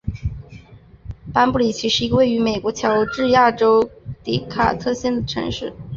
班布里奇是一个位于美国乔治亚州迪卡特县的城市。